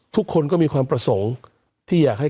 ทุกคนก็มีความประสงค์ที่อยากให้